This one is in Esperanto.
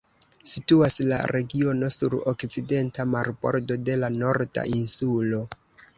Situas la regiono sur okcidenta marbordo de la Norda Insulo.